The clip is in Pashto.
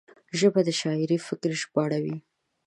ژبه د شاعر فکر ژباړوي